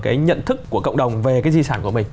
cái nhận thức của cộng đồng về cái di sản của mình